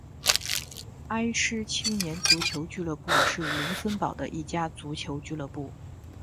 埃施青年足球俱乐部是卢森堡的一家足球俱乐部。